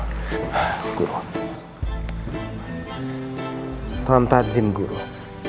assalamualaikum warahmatullahi wabarakatuh